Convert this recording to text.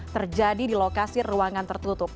terjadi di lokasi ruangan tertutup